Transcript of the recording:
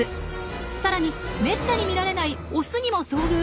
さらにめったに見られないオスにも遭遇。